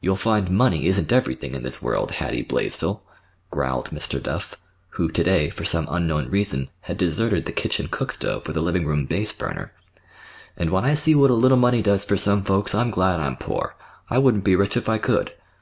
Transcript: "You'll find money isn't everything in this world, Hattie Blaisdell," growled Mr. Duff, who, to day, for some unknown reason, had deserted the kitchen cookstove for the living room base burner. "And when I see what a little money does for some folks I'm glad I'm poor. I wouldn't be rich if I could.